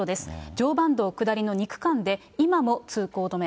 常磐道下りの２区間で今も通行止め。